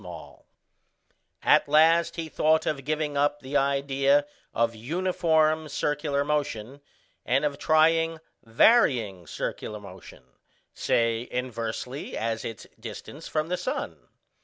] At last he thought of giving up the idea of uniform circular motion, and of trying varying circular motion, say inversely as its distance from the sun.